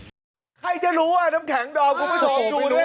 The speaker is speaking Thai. อิใครจะรู้อ่ะน้ำแข็งดอมกุ๊มไม่สอบ